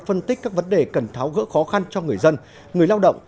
phân tích các vấn đề cần tháo gỡ khó khăn cho người dân người lao động